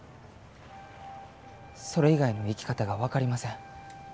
それ以外の生き方が分かりません。